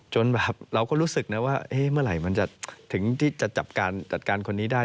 จนแบบเราก็รู้สึกนะว่าเมื่อไหร่มันจะถึงที่จะจัดการคนนี้ได้